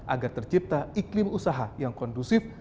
agar tercipta iklim usaha yang kondusif